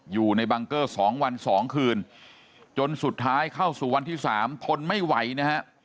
อยู่ในบังเกอร์สองวันสองคืนจนสุดท้ายเข้าสู่วันที่สามทนไม่ไหวนะฮะ